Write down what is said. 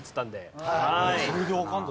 それでわかるんだ。